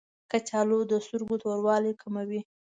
کچالو د سترګو توروالی کموي